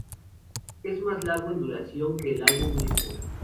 Es más largo en duración que el álbum mismo.